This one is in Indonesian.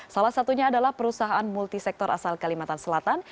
salah satunya adalah perusahaan multisektor asal kalimantan selatan